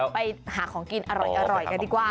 ไปหาของกินอร่อยกันดีกว่า